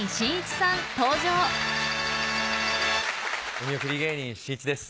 お見送り芸人しんいちです。